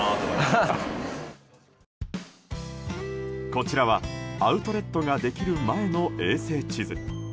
こちらはアウトレットができる前の衛星地図。